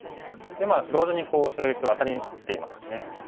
で同時にこう白石をアタリにしていますね。